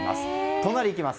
隣行きます。